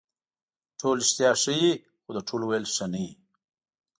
ټول رښتیا ښه وي خو د ټولو ویل ښه نه وي.